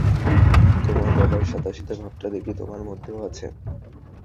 তোমার বাবার সাদাসিধে ভাবটা দেখি তোমার মধ্যেও আছে।